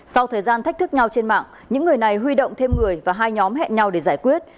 sau thời gian thách thức nhau trên mạng những người này huy động thêm người và hai nhóm hẹn nhau để giải quyết